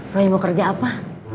roy mau kerja apa